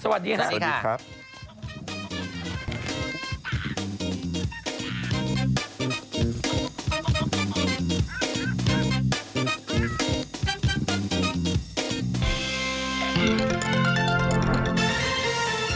โปรดติดตามตอนต่อไป